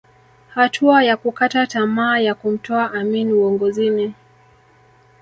Hatua ya kukata tamaa ya kumtoa Amin uongozini